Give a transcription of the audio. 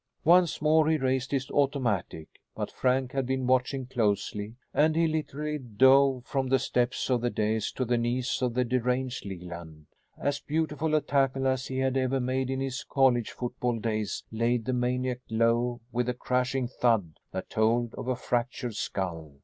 Once more he raised his automatic, but Frank had been watching closely and he literally dove from the steps of the dais to the knees of the deranged Leland. As beautiful a tackle as he had ever made in his college football days laid the maniac low with a crashing thud that told of a fractured skull.